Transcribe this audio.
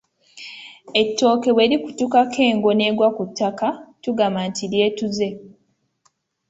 Ettooke bwe likutukako engo n'egwa ku ttaka tugamba nti lyetuze.